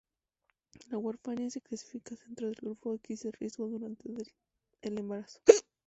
La warfarina se clasifica dentro del grupo X de riesgo durante el embarazo.